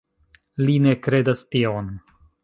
Li ne kredas tion.